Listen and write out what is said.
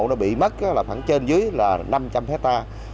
nó bị mất là khoảng trên dưới là năm trăm linh hectare